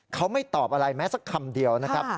เขาไม่ตอบอะไรแม้สักคำเดียวนะครับ